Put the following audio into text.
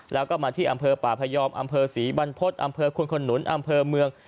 แล้วก็มาที่อำเภอป่าพยอมอำเภอศรีบรรพฤษอำเภอคุณขนุนอำเภอเมือง